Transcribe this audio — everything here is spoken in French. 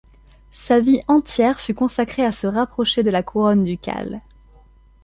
Sa vie entière fut consacrée à se rapprocher de la couronne ducale.